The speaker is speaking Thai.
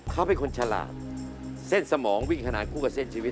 เขาเป็นคนฉลาดเส้นสมองกูกับเส้นชิวิต